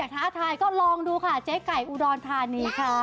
ท้าทายก็ลองดูค่ะเจ๊ไก่อุดรธานีค่ะ